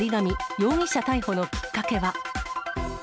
容疑者逮捕のきっかけは。